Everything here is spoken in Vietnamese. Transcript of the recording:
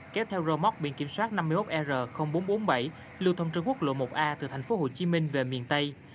kéo theo rô móc biện kiểm soát năm mươi một er bốn trăm bốn mươi bảy lưu thông trên quốc lộ một a từ thành phố hồ chí minh về miền tây